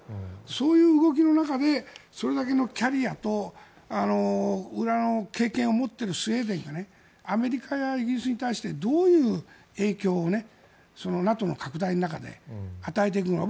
そういう動きの中でそれだけのキャリアと裏の経験を持っているスウェーデンがアメリカやイギリスに対してどういう影響をＮＡＴＯの拡大の中江で与えていくのか